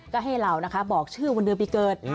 ก็ให้เรานะคะบอกชื่อวันเดือนปีเกิด